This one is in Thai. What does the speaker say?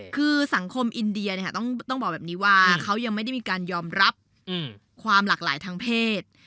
คือสังคมอินเดียต้องบอกแบบนี้ว่าเขายังไม่ได้มีการยอมรับความหลากหลายทางเพศ